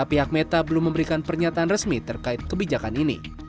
pihak meta belum memberikan pernyataan resmi terkait kebijakan ini